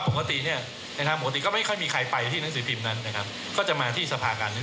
ซึ่งตรงนี้กระบวนการที่จะล่าช้า